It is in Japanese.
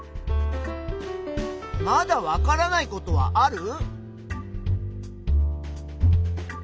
まだわからないことはある？